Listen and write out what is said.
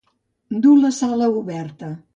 Dur la sala oberta.